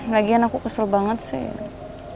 lagian aku kesel banget sih